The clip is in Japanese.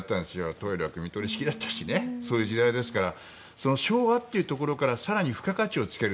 トイレはくみ取り式だったしそういう時代ですから昭和というところから更に付加価値をつける。